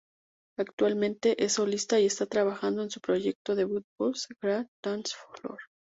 Actualmente es solista y está trabajando en su proyecto debut "God's Great Dance Floor".